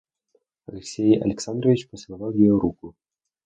Алексей Александрович поцеловал ее руку.